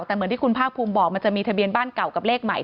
แต่เหมือนที่คุณภาคภูมิบอกมันจะมีทะเบียนบ้านเก่ากับเลขใหม่